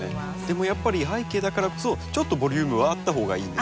でもやっぱり背景だからこそちょっとボリュームはあったほうがいいんですよね。